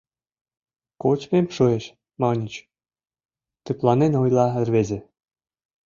— Кочмем шуэш, маньыч, — тыпланен ойла рвезе.